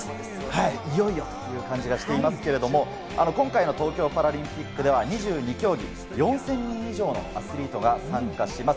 いよいよという感じがしていますけど、今回の東京パラリンピックでは２２競技、４０００人以上のアスリートが参加します。